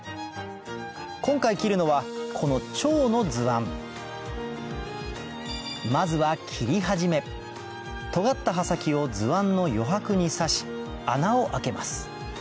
今回切るのはこのちょうの図案まずは切り始めとがった刃先を図案の余白に刺し穴を開けます